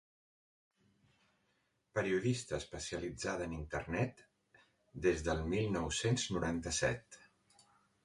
Periodista especialitzada en internet des del mil nou-cents noranta-set.